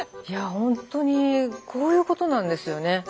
いやほんとにこういうことなんですよね。